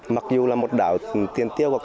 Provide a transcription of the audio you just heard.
mặc dù là một đảo tiền tiêu